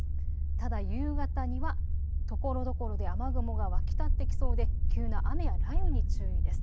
ただ夕方にはところどころで雨雲が湧き立ってきそうで急な雨や雷雨に注意です。